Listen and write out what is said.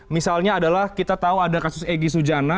misalnya adalah kita tahu ada kasus egy sujana